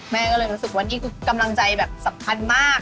แม่ก็เลยรู้สึกว่านี่คือกำลังใจแบบสำคัญมาก